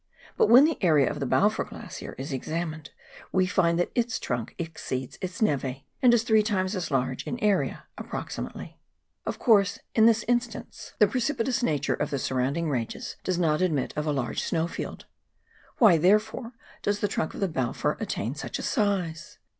But when the area of the Balfour Glacier is examined, we find that its trunk exceeds its nev^, and is three times as large in area (approximately). Of course, in this instance the precipitous 304 PIONEER WORK IX THE ALPS OF NEW ZEALAND. nature of the surrounding ranges does not admit of a large snow field ; why, therefore, does the trunk of the Balfour attain such a size